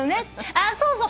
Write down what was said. あそうそう。